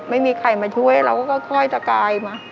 ไม่มีใครมาช่วยเราก็ค่อยตะกายมา